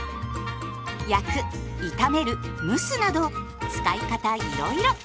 焼く炒める蒸すなど使い方いろいろ。